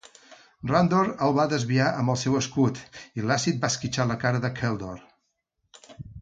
Randor el va desviar amb el seu escut, i l'àcid va esquitxar la cara de Keldor.